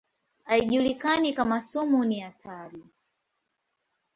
Haijulikani kama sumu ni hatari.